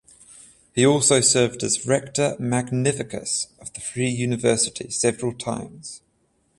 He also served as rector magnificus of the Free University several times.